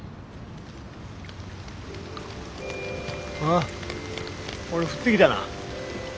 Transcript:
あっこれ降ってきたな。